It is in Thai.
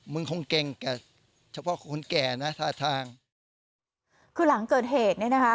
มึงคงเก่งแก่เฉพาะคนแก่นะท่าทางคือหลังเกิดเหตุเนี่ยนะคะ